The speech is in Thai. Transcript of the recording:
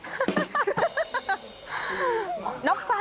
นี่ไงยิบมัน